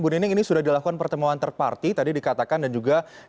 bu nining ini sudah dilakukan pertemuan terparti tadi dikatakan dan juga di